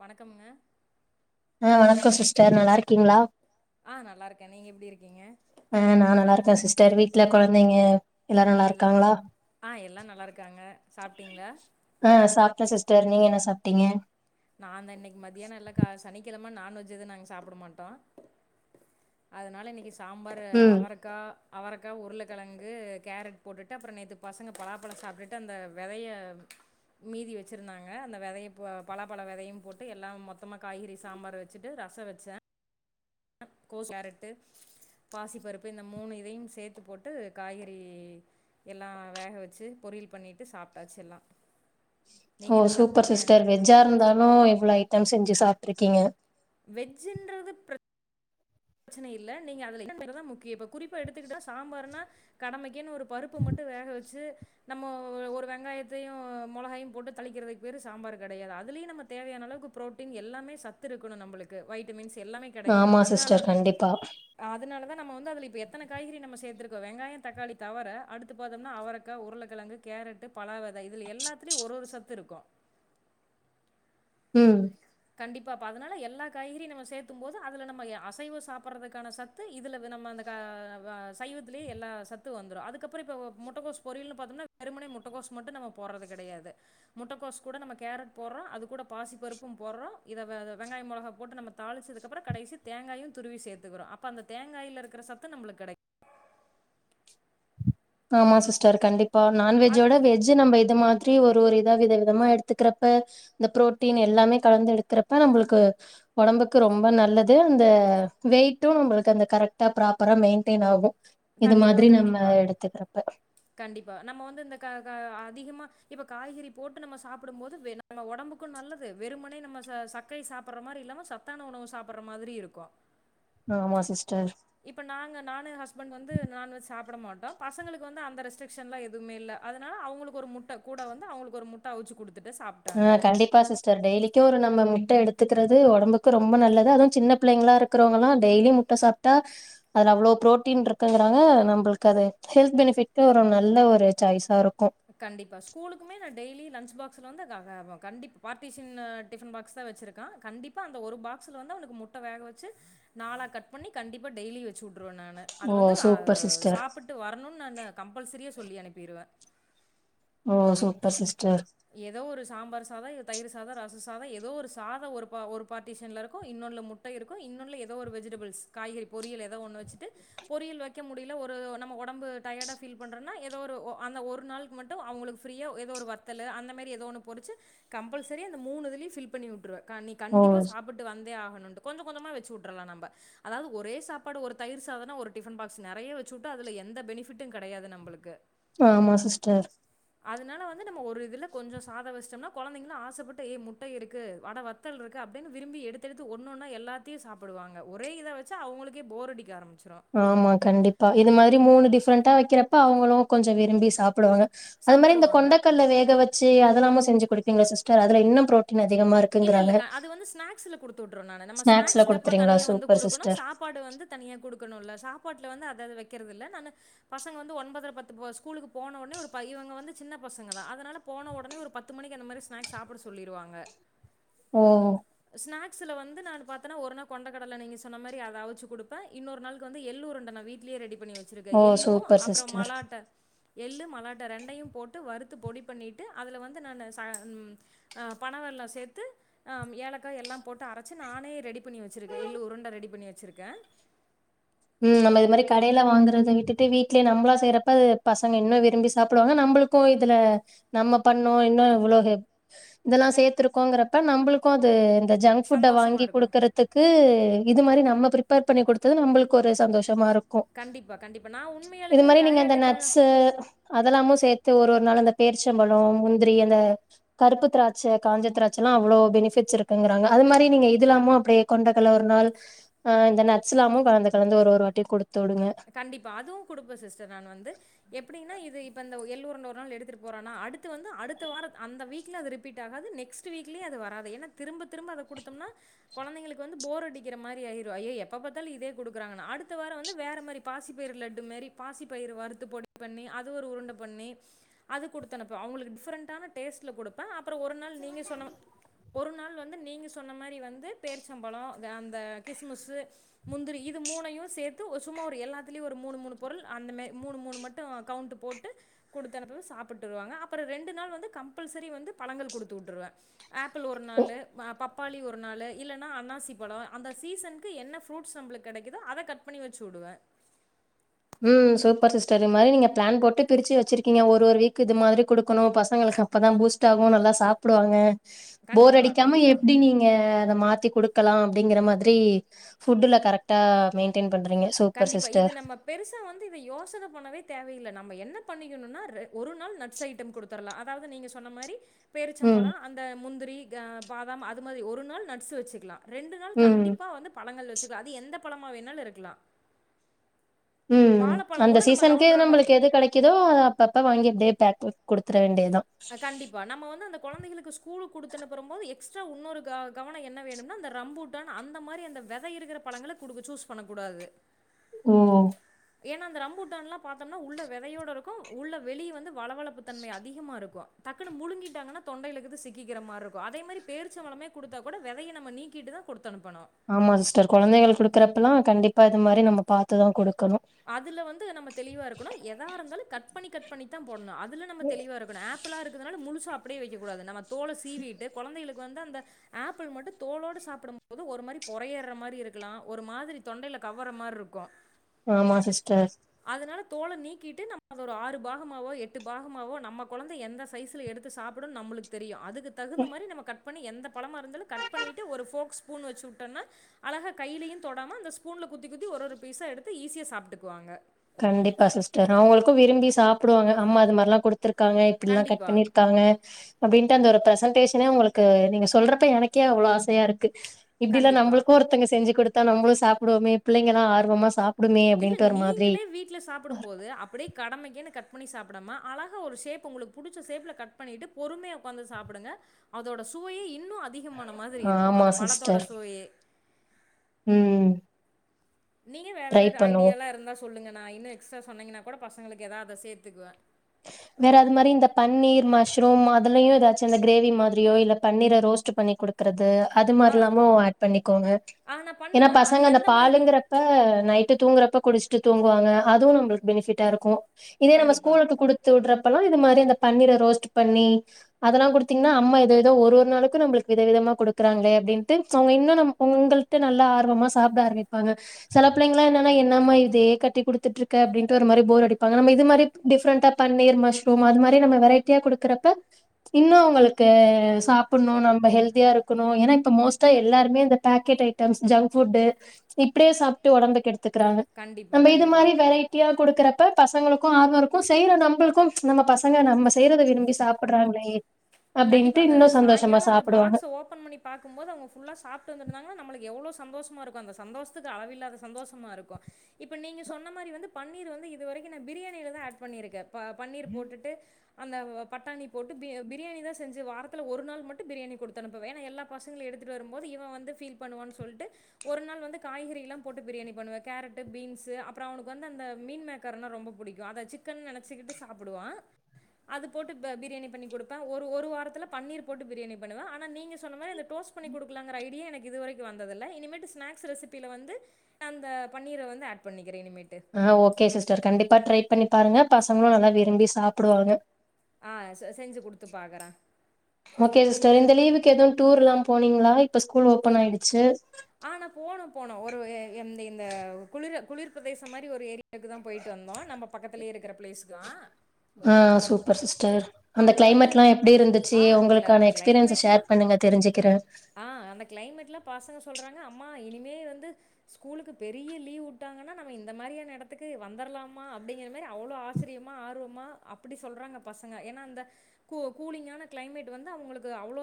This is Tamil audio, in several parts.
வணக்கம்ங்க ஆ வணக்கோ சிஸ்டர் நல்லா இருக்கீங்களா ஆ நல்லாயிருக்கேன் நீங்கள் எப்படி இருக்கீங்க ஆ நா நல்லா இருக்க சிஸ்டர் வீட்ல கொழந்தைங்க எல்லாரு நல்லா எல்லா இருக்காங்களா ஆ எல்லாம் நல்லாயிருக்காங்க சாப்பிட்டீங்களா அ சாப்ட்ட சிஸ் டர் நீங்க என்ன சாப்ட்டீங்க நாந்தா இன்னிக்கு மதியானோ இல்லக்கா சனிக்கெழம் ம்ம நான்வெஜ் எது நாங் சாப்புட மாட்டோ அதனால இன்னிக்குஸ் சாம்பாரு ம் அவரக்கா அவரக்கா உருளக்கெழங்கு கேரட் போட்டுட்டு அப்புறோ நேத்து பசங்க பலாப்பழோ சாப்ட்டுட்டு அந்த வெதைய மீதி வெச்சுருந்தாங்க அந்த வெதைய பலாப்பழோ வெதையும் போட்டு எல்லாம் மொத்தமா காய்கறி சாம்பாரு வெச்சுட்டு ரசோ வெச்ச கோஸ் கேரட்டு பாசிப்பருப்பு இந்த மூணு இதையும் சேத்து போட்டு காய்கறி எல்லா வேக வெச்சு பொரியல் பண்ணிட்டு சாப்ட்டாச்சு எல்லா நீங்க ஓ என்ன சூப்பர் சாப்ட்டீங்க சிஸ்டர் வெஜ்ஜா இருந்தாலு எவ்ளோ ஐட் ஐட்டம் செஞ்சு சாப்ட்ருக்கீங்க வெஜ்ன்றது பிர பிரச்சனை இல்ல நீங்க அதுல இருக்குறதா முக்கியோ இப்ப குறிப்பா எடுத்துக்கிட்ட சாம்பார்ன்னா கடமைக்குன் ஒரு பருப்பு மட்டு வேக வெச்சு நம்ம ஒரு வெங்காயத்தையு மொளகாயும் போட்டு தலிக்கிறதுக்கு பேரு சாம்பாரு கெடையாது அதுலயு நம்ம தேவையான அளவுக்கு ஃப்ரோட்டின் எல்லாமே சத்து இருக்கணு நம்புளுக்கு வைட்டமின்ஸ் எல்லாமே கெடைக்கணு ஆமா அதனால சிஸ்டர் கண்டிப்பா அதனாலதா நம்ம வந்து அதுல இப்ப எத்தன காய்கறி நம்ம சேத்துருக் கோ வெங்காய தக்காளி தவுர அடுத்து பாத்தோம்னா அவரக்கா உருளக்கெழங்கு கேரட்டு பலா வெத இதுலி எல்லாத்தலயு ஒரு ஒரு சத்து இருக்கு ம் கண்டிப்பா இப்போ அதனால எல்லா காய்கறி நம்ம சேத்தும் போது அதுல நம்ம ஏ அசைவோ சாப்புர்றதுக்கான சத்து இதுல நம்ம அந்த சைவத்துலயே எல்லா சத்து வந்துரு அதுக்கப்புறோ இப்போ முட்டகோஸ் பொரியல்ன்னு பாத்தோம்னா வெறுமுனே முட்டகோஸ் மட்டு நம்ம போர்றது கெடையாது முட்டக்கோஸ் கூட நம்ம கேரட் போர்றோ அது கூட பாசிப்பருப்பும் போர்றோ இத வெங்காயம் மொளகா போட்டு நம்ம தாளுச்சதுக்கு அப்புறோ கடைசி தேங்காயு துருவி சேத்துக்குறோ அப்ப அந்த தேங்காயில இருக்குற சத்து நம்மளுக்கு கெடைக் ஆமா சிஸ்டர் கண்டிப்பா அது நான்வெஜ்ஜோட வெஜ்ஜு நம்ம இதமா த்ரி ஒரு ஒரு இதா வித விதமாக எடுத்துக்குறப்ப இந்த ஃப்ரோட்டீன் எல்லாமே கலந்து எடுக்குறப்ப நம்மளுக்கு ஒடம்புக்கு ரொம்ப நல்லது அந்த வெயிட்டு நம்மளுக்கு அந்த கரெக்டா ஃப்ராப்பரா மெயின்டெயின் ஆகு இது கண்டிப்பாக மாதிரி நம்ம கண்டிப்பாக எடுத் கண்டிப்பா நம்ம வந்து இந்த க க ஆ அதிகமா இப்ப காய்கறி போட்டு நம்ம சாப்புடும் போது நம்ம ஒடம்புக்கு நல்லது வெறும்மனே நம்ம ச சக்கை சாப்புர்ற மாரி இல்லாம சத்தான உணவு சாப்புர்ற மாதிரி இருக்கு ஆமா சிஸ்டர் பண்ட் வந்து நான்வெஜ் சாப்ட மாட்டோ பசங்களுக்கு வந்து அந்த ரெஸ்ரிக்ஷன்லா எதுமே இல்ல அதனால அவங்களுக்கு ஒரு முட்ட கூட வந்து அவங்களுக்கு ஒரு முட்ட அவுச்சு குடு ஆ கண்டிப்பா சிஸ்டர் டெய்லிக்கு ஒரு நம்ம முட்ட எடுத்துக்குறது ஒடம்புக்கு ரொம்ப நல்லது அதுவு சின்ன பிள்ளைங்களா இருக்கறவங்கல்லா டெய்லியு முட்ட சாப்டா அதுல அவ்ளோ ஃப்ரோட்டீன் இருக்குங்றாங்க நம்புளுக்கு அது ஹெல்த் பெனிஃபிட் ஒரு நல்ல ஒரு சாய்ஸா இரு கண்டிப்பா ஸ்கூலுக்குமே நா டெய்லி லன்ச் பாக் ஸ்ல வந்து கண்டி பற்டிஷனு டிஃப்பன் பாக்ஸ்தா வெச்சுருக்கா கண்டிப்பா அந்த ஒரு பாக்ஸ்ல வந்து அவனுக்கு முட்ட வேக வெச்சு நாலா கட் பண்ணி கண்டிப்பா டெய்லி வெச்சு உட் ட்ருவ நானு அது ஓ வந்து சூப்பர் சிஸ்டர். சாப்புட்டு வரணுன் நானு கம்பல்சரியாஸ் சொல்லி அனுப்பிருவ ஓ சூப் ஏதோ ஒரு சாம்பார் சாதோ இது தயிருஸ் சாதோ ரசஸ் சாதோ ஏதோ ஒரு சாதோ ஒரு ஒரு பார்டிஷ்ன்ல இருக்கு இன்னொன்ல முட்ட இருக்கு இன்னொன்ல ஏதோ ஒரு வெஜிடேபுல்ஸ் காய்கறி பொறியல் ஏதோ ஒன்னு வெச்சுட்டு பொறியல் வெக்க முடியல ஒரு நம்ப ஒடம்டு டயடா பீல் பன்றனா எதோ ஒரு அந்த ஒரு நாள்கு மட்டு அவுங்களுக்கு ஃப்ரீயா ஏதோ ஒரு வத் தலு அந்த மேரி ஏதோன்னு பொருச்சு கம்பல்செரி அந்த மூணு இதுலயு ஃபில் பண்ணி உட்ருவ கா நீ ஓ கண்டிப்பா சாப்புட்டு வந்தே ஆகண் ன்டு கொஞ்ச கொஞ்சமா வெச்சு உட்டர்லா நம்ப அதாவது ஒரே சாப்பாடு ஒரு தயிர் சாதனா ஒரு டிஃப்பன் பாக்ஸ் நறைய வெச்சுட்டா அதுல எந்த பெனிஃபிட்டுங் கெடையாது நம்பளுக்கு ஆமா சிஸ்டர் அதனால வந் து நம்ம ஒரு இதுல கொஞ்ச சாதோ வெச்சுட்டம்னா கொழந்தைகளு ஆசப்பட்டு ஏ முட்ட இருக்கு வட வத்தல் இருக்கு அப்டின் விரும்பி எடுத்தெடுத்து ஒன்னொன்னா எல்லாத்தையு சாப்புடுவாங்க ஒரே இத வெச்சா அவுங்களுகே போர் அடிக்க ஆரம் ஆமா கண்டிப்பா இது மாரி மூணு டிஃப் ஃப்ரன்டா வைக்கறப்ப அவங்களு கொஞ்ச விரும்பி சாப்புடுவாங்க அது மாரி இந்த சாப்பிடுவாங்க. கொண்டக்கல்ல வேக வச்சு அதுலாமு செஞ்சு குடுபிங்களா சி்ஸ்டர் அதுல இன்னு பரோ இல்லல்ல கா அது வந்து ஸ்நாக்ஸ்ல குடுத்து விட்றுனு நம்ம ஸ்நாக்ஸ்ல டப்பா குடுத்துறீங்களா? தனியா வந்து சூப்பர் குடுக்கணு சிஸ்டர். சாப்பாடு வந்து தனியா குடு க்கணுல சாப்பாட்டுல வந்து அததது வக்கறதுதில்ல நானு பசங்க வந்து ஒன்பதர பத்துக்கு ஸ்கூலுக்கு போனவுனே ஒரு பைய இங்க வந்து சின்ன பசங்க தா அதனால போன ஒடனே ஒரு பத்து மணிக்கு அந்த மாரி ஸ்நாக்ஸ் சாப்பிட சொல்லிருவாங்க ஓ ஸ்நாக்ஸ்ல வந்து நானு பாத்தனா ஒரு நாள் கொண்ட கடல நீ சொன்ன மாரி அத அவுச்சு குடுப்ப இன்னொரு நாளுக்கு வந்து எல்லூரண்ட நா வீட்லே ரெடி பண்ணி வச்சிருக்க ஓ எள்ளு சூப்பர் அப்பற சிஸ்டர் மலாட்ட எள்ளு மலாட்ட ரெண்டையு போட்டு வறுத்து பொடி பண்ணிட்டு அதில வந்து நானு ச பணவெள்ளோ சேத்து ஏலக்கா எல்லா போட்டு அரச்சு நானே ரெடி பண்ணி வச்சுருக்க எள்ளு உருண்ட ரெடி பண்ணி வச்சிருக்க உ நம்ப இது மாரி கடைல வாங்குறத விட்டுட்டு வீட்லே நம்பளா செய்றப்ப அது பசங்க இன்னு விரும்பி சாப்டுவாங்க நம்ப்ளுக்கு இதுல நம்ம பண்ணோ இன்னு இவ்வளோக இதல்லா சேத்துருக்கோங்கறப்ப நம்பளுக்கு அது இந்த ஜங்க் ஃபுட்ட சந்தோஷமா வாங்கி இருக்கும். குடுக்கறதுக்கு இது மாரி நம்ம பிரிப்பேர் பண்ணி கொடுத்தது நம்ப்ளுக் கொரே சந்தோஷமா இரு க்கோ கண்டிப்பா, கண்டிப்பா. நான் இது உண்மையாலுமே மாரி நீங்க அந்த விளையாட்டுக்காக நட்ஸ்சு அதல்லாமு சேத்து ஒரு ஒரு நாளு அந்த பேர்ச்சம்பழோ முந்திரி அந்த கருப்பு திராட்ச காஞ்ச திராட்சலா அவ்ளோ பெனிஃபிட்ஸ் இருக்குங்கறாங்க அது மாரி நீங்க இதுல்லாமு அப்டே கொண்டக்கல ஒரு நாள் ஆ இந்த நட்ஸ்ல்லாமு கலந்து கலந்து ஒரு ஒரு வாட்டி குடு கண்டிப்பா அதுவு குடுப்ப சிஸ்டர் நானு வந்து எப்டின்னா இது இப்பந்த எள்ளு உருண்ட ஒரு நாளு எடுத்துட்டு பொரானா அடுத்து வந்து அடுத்த வார அந்த வீக்ல அது ரீபீட்டாகது நெக்ஸ்ட் வீக்லயு அது வராது ஏனா திரும்ப திரும்ப அத குடுத்தம்னா கொழங்தைங்களுக்கு வந்து போர் அடிக்கற மாரி ஆய்ரு ஐய்ய எப்ப பாத்தாலு இதே குடுக்குராங்கணு அடுத்த வார வந்து வேற இதுமாரி பாசிபயிறு லட்டுமாரி பாசிபயரு வறுத்து பொடிப் பண்ணி அத ஒரு உருண்ட பண்ணி அத கொடுத்தனுப்புவ அவங்களுக்கு டிஃப்ரெண்டான டேஸ்ட்ல கொடுப்பே அப்றோ ஒரு நாளு நீங்க சொன்ன ஒரு நாளு வந்து நீங்க சொன்ன மாரி வந்து பேர்ச்சம்பழோ அந்த கிசுமுசு முந்திரி இத மூணையு சேர்த்து ஒரு சும்மா ஒரு எல்லாத்லயு ஒரு மூணு மூணு பொருள் அந்த மெரி மூணு மூணு மட்டு கவுண்ட்டு போட்டு கொடுத்தனுப்புவ சாப்பிட்டுருவாங்க அப்புறோ ரெண்டு நாள் வந்து கம்பல்சரி வந்து பழங்கள் கொடுத்து விட்டுருவே ஆப்பிள் ஒரு நாளு ஆ பப் பப்பாளி ஒரு நாள் இல்லன்னா அண்ணாசி பழோ அந்த சீசனுக்கு என்ன ஃப்ரூட்ஸ் நம்பளுக்கு கிடைக்குதோ அத கட் பண்ணி ச்சிடுவ உ சூப்பர் சிஸ்டர் இமாரி நீங்க பிளான் போட்டு பிரிச்சு வச்சிருக்கீங்க ஒரு ஒரு வீக் இது மாதிரி கொடுக்கணு பசங்களுக்கு அப்பதா பூஸ்ட் ஆகு நல்லா சாப்பிடுவாங்க போர் கண்டிப்பா அடிக்காம கண்டிப்பா எப்படி நீங்க அத மாத் த்தி கொடுக்கலா அப்டிங்கற மாதிரி ஃபுட்ல கரெட்டா மெயின்டென் ப்பண்றீங்க சூப்பர் கண்டிப்பா. இது சிஸ்டர் நம்ம பெருசா வந்து இத யோசன பண்ணவே தேவையில்ல நம்ம என்ன பண்ணிக்கணும்னா ஒரு நாள் நட்ஸ் ஐட்டம் கொடுத்துரலா அதாவது நீங்க சொன்ன மாரி ம் பேரிச்சம்பலோ அந்த முந்திரி ஆ பாதாம் அது மாதிரி ஒரு நாள் நட்ஸ் வச்சுக்கலா ரெண்டு நாள் ம் கண்டிப்பா வந்து பளங்கள் வச் அது எந்த பழமா வேணாலும் இருக்கலா உம் அந்த கூட நம்ம சீசனுக்கு ரவுண்ட் ரவுண்டா நம்மளுக்கு எது கிடைக்குதோ அப்பப்ப வாங்கிட்டே தட்புட் கொடுத்துற வேண்டியது கண்டிப்பா நம்ம வந்து அந்த கொழந்தைகளுக்கு ஸ்கூல் ஸ்கூலுக்கு கொடுத்தன்னுப்பற போது எக்ஸ்ட்ரா இன்னொரு கவனம் என்ன வேணுனா அந்த ரம்பூட்டன் அந்த மாரி அந்த விதை இருக்கிற பழங்களை கொடுக்க சூஸ் பண்ணக்கூடாது உம் ஏன்னா அந்த ரம்பூட்டன்லாம் பார்த்தோம்னா உள்ள விதையோட இருக்கும் உள்ள வெளியே வந்து வளவளப்பு தன்ம அதிகமா இருக்கும் டக்குன்னு முழுங்கிட்டாங்கன்னா தொண்டைலகிறது சிக்கிக்கிற மாதிரி இருக்கும் அதே மாதிரி பேரிச்ச பழமே கொடுத்தா கூட விதையை நம்ம நீக்கிட்டு தான் கொடுத் ஆமா சிஸ்டர் கொழந்தைகளுக்கு குடுக்குறப்பல்லா கண்டிப்பா இந்த மாரி நம்ம பாத்துதான் கொடுக் அதுல வந்து நம்ம தெளிவா இருக்கணும் எதாருந்தாலும் கட கட் ப்பணி கட்பண்ணி தான் போடணும் அதுல நம்ம தெளிவா இருக்கனும் ஆப்பிளா இருக்குதனால முழுசாப் அப்டியே வெக்கக்கூடாது நமக் தோல சீவிட்டு கொழந்தைகளுக்கு வந்து அந்த ஆப்பிள் மட்டும் தோலோடு சாப்பிடும் போது ஒரு மாரி பொறயேற மாரி இருக்கலாம் ஒரு மாதிரி தொண்டையில கவ்ற மாரி இருக்கும் ஆமா சிஸ்டர் தோல நீக்கிட்டு நம்ம ஒரு ஆறு பாகமாவோ எட்டு பாகமாவோ நம்ம கொழந்தை எந்த சைசல எடுத்து சாப்பிடுன்னு நம்மளுக்கு தெரியும் அதுக் தகுந்த மாரி நம்ம கட் பண்ணி எந்த பழமா இருந்தாலும் கட் பண்ணிட்டு ஒரு போக்ஸ்பூன் வச்சு வுட்டோனா அழகா கையிலையும் தொடாம அந்த ஸ்பூன்ல குத்தி குத்தி ஒரு ஒரு பீசா எடுத்து ஈஸியா சாப் சாப்பிட்டுக்கவாங்க கண்டிப்பா சிஸ்டர் அவங்களுக்கும் விரும்பி சாப்பிடுவாங்க நம்ம அது மாரிலாம் கொடுத்து த்துருக்காங்க இப்படில்லாம் கட் கண்டிப்பாக பண்ணியிருக்காங்க அப்டின்ட்டு அந்த ஒரு பிரசன்டேஷன உங்களுக்கு நீங்க சொல்றப்ப எனக்கே அவ்ளோ ஆசையாயிருக்கு இப்டிலா கண்டிப்பாக நம்மளுக்கும் ஒருத்தவங்க செஞ்சு குடுத் நம்பளும் சாப்டுவோமே பிள்ளைங்கல்லா ஆர்வமா சாப் டுமே அப்டின்டு ஒரு மாதிரி டுல சாப்புடும்போது அப்டியே கடமைக்கே கட் பண்ணி சாப்புடாம அழகா ஒரு ஷேப் உங்களுக்கு புடிச்ச சேப்ல கட் பண்ணிட்டு பொறுமைபா ஒக்காந்து சாப்புடுங்க அதோட சுவையே இன்னோம் அதிகமான மாதிரியிருக்கும் ஆமா அந்த பழத்தோட சிஸ்டர் சுவையே ம் நீங்க வேற ட்ரை எதாவது பண்ணுவோ ஐடியாலா இருந்தா சொல்லுங்க நா இன்னு எக்ஸ்ட்ரா சொன்னீங்கன்னா கூட பசங்களுக்கு எதா அத சேத்துக்குவ வேற எது மாரி இந்த பன்னீர் மஷ்ரூம் அதுலயு எதாச்சு இந்த கிரேவி மாதிரியோ இல்ல பன்னீர ரோஸ்ட்டு பண்ணி குடுக்குறது அது ஆ மாரில்லாமோ ஏட் பண்ணிக்கோங்க ஆ நான் ஏன்னா பண்ணுவேன் அது பசங்க அந்த எந்த மாதிரி பாலுங்குறப்ப நைட்டு தூங்குறப்ப குடுச்சுட் ட்டு தூங்குவாங்க அதுவு நம்பளுக்கு பெனிஃபிட்டா இருக்கு இதே நம்ப கண்டிப்பா ஸ்கூலுக்கு ங்குற அப்பல்லா இது மாரி இந்த பன்னீர ரோஸ்ட் பண்ணி அதெல்லாங் குடுத்தீங்கன்னா அம்மா எது எதோ ஒரு ஒரு நாளிக்கு நம்பளுக்கு வித விதமா குடுக்குறாங்ளே அப்டின்டு சோ இன்னு நம்ப உங்ள்ட நல்லா ஆர்வமா சாப்புட ஆராமிப்பாங்க சில புள்ளைங்களா என்னன்னா என்னம்மா இதே கட்டி குடுத்துட்ருக்க அப்டின்டு ஒரு மாரி போர் அடிப்பாங்க நம்ப இது மாரி டிஃப்ரெண்ட்டா பன்னீர் மஷ்ரூம் அது மாரி நம்ப வெரைட்டியா குடுக்குறப்ப இன்னு அவங்களுக்கு சாப்புடுன்னு நம்ப ஹெல்தியா இருக்கணு ஏன்னா இப்ப மோஸ்ட்டா எல்லாருமே இந்த பேக்கெட் ஐட்டம்ஸ் ஜங்க் ஃபுட்டு இப்டியே சாப்டு ஒடம்பு கெடுத் துக்குறாங்க கண்டிப்பா நம்ப இது கண்டிப்பா மாரி வெரைட்டியா குடுக்குற அப்ப பசங்களுக்கு ஆர்வோ இருக்கு செய்யுற நம் பளுக்கு நம்ப பசங்க நம்ப செய்றத விரும்பி சாப்புடுறாங்களே கண்டிப்பா அந்த சாயங்காலோ அந்த பாக்ஸ் ஓபன் பண்ணி பாகும்போது அவங்க ஃபுல்லா சாப்டு வந்துருந்தாங்கன்னா நம்மளுக்கு எவ்ளோஸ் சந்தோஷமாயிருக்கு அந்த சந்தோஷத்துக்கு அளவில்லாத சந்தோஷமாயிருக்கு இப்ப நீங்க சொன்னா மாரி வந்து பன்னீரு வந்து இது வரிக்கு நா பிரியாணிலதா ஏட் பண்ணிருக்க ப பன்னீர் போட்டுட்டு அந்த பட்டாணி போட்டு பி பிரியாணிதா செஞ்சு வாரத்துல ஒரு நாள் மட்டு பிரியாணி குடுத்து அனுப்புவ ஏன்னா எல்லா பசங்களு எடுத்துட்டு வரும்போது இவ வந்து ஃபீல் பண்ணுவான் சொல்ட்டு ஒரு நாள் வந்து காய்கறிலாம் போட்டு பிரியாணி பண்ணுவ கேரட்டு பீன்ஸ்ஸு அப்றோ அவனுக்கு வந்து அந்த மீன்மேக்கர்னா ரொம்ப புடிக்கு அத சிக்கன் நெனச்சுகிட்டு சாப்புடுவா அது போட்டு பிரியாணி பண்ணி குடுப்ப ஒர் ஒரு வாரத்துல பன்னீர் போட்டு பிரியாணி பண்ணுவ ஆனா நீங்க சொன்னா மாரி அந்த டோஸ்ட் பண்ணி குடுக்கலாங்குற ஐடியா எனக்கு இது வரிக்கு வந்ததில்ல இனிமேட்டு ஸ்நேக்ஸ் ரெசிபியில வந்து அந்த பன்னீர வந்து ஏட் பண்ணிக் ஆ ஓகே சிஸ்டர் கண்டிப்பா ட்ரை பண்ணி பாருங்க பசங்களு நல்லா விரும்பி சாப்புடுவாங்க ஆ செஞ்சு குடுத்து பாக்குற க்கு எதுவு டூர்லாம் போனீங்களா இப்ப ஸ்கூல் ஓபன் ஆயிடுச்சு ஆ நா போனோ போனோ ஒரு எந்த இந்த குளிரு குளிர் பிரதேசம் மாரி ஒரு ஏரியாவுக்குதா போயிட்டு வந்தோ நம்ப பக்கத்துலயே இருக்குற பிளேஸ்குதா ஆ சூப்பர் சிஸ் டர் அந்த அங்க வந்து கிளைமேட்லா எப்டி இருந்துச்சு ஆ கிள உங்களுக்கான எக்ஸ்பீரியன்ஸ்ஸ கிளைமேட்லாம் ஷேர் பண்ணுங்க தெரிஞ்சுக்குற ஆ அந்த கிளைமேட்ல பசங்க சொல்றாங்க அம்மா இனிமே வந்து ஸ்கூலுக்கு பெரிய லீவ் உட்டாங்கன்னா நம்ம இந்த மாரியான எடத்துக்கு வந்தருலாம்மா அப்டிங்குற மாரி அவ்ளோ ஆச்சிரியமா ஆர்வமா அப்டி சொல்றாங்க பசங் ங்க ஏன்னா அந்த கூ கூலிங்கான கிளைமேட் வந்து அவங்களுக்கு அவ்ளோ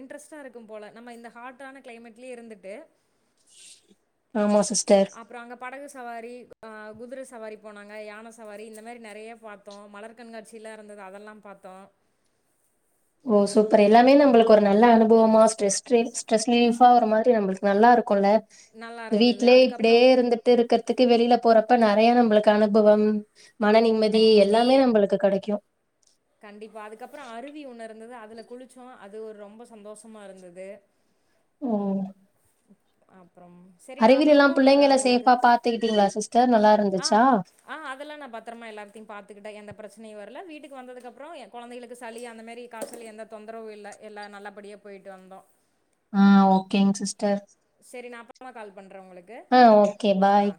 இன்ட்ரெஸ்ட்டா இருக்கோம் போல நம்ம இந்த ஹாட்டான கிளைமேட்லயே இருந்துட்டு ஆமா சிஸ்டர் அப்புறம் அங்க படகு சவாரி ஆ குதுர சவாரி போனாங்க யான சவாரி இந்த மாரி நெறைய பாத்தோ மலர் கண்காட்சிலா இருந்துது அதெல்லா பாத்தோ ஓ சூப்பர் எல்லாமே நம்மளுக்கு ஒரு நல்ல அனுபவமா ஸ்ட்ரெஸ் ஸ்ட்ரெஸ் ரிலீஃபா ஒரு மாரி நமளுக்கு நல்லா இருக்குல்ல நல்லா இருந்தது. வீட்லயே இப்டியே அதுக்கப்புறம் இருந்துட்டு இருக்குறதுக் த்துக்கு வெளில போறப்ப நறைய நம்மளுக்கு அனுபவம் மன நிம்மதி எல்லாமே நம்மளுக்கு கெடைக்கு கண்டிப்பா அதுக்கப்புறோ அருவி ஒன்னு இருந்துதா அது அதுல குளிச்சோ அது ஒரு ரொம்ப சந்தோஷமா இருந்தது உம் அப்றம் சரி நா அப்றோ எல்லாம் கூப்டுறே புள்ளைங்கள உங்களுக்கு சேஃபா பாத்துக்கிட்டீங்களா சிஸ்டர் நல்லா அ இருந்துச்சா அ அதெல்லா நா பத்ரமா எல்லாத்தையு பாத்துக்கிட்டே எந்த பிரச்சனையு வரல வீட்டு வீட்டுக்கு வந்ததுக்கு அப்றோ எ கொழந்தைகளுக்கு சளி அந்த மாரி காச்சல் எந்த தொந்தரவு இல்ல எல்லா நல்லபடியே போயிட்டு வந்தோ ஆ ஓகேங்க சிஸ் சேரி நா அப்றமா கால் பண்றே உங்களுக்கு ஆ ஓகே பாய் ஆ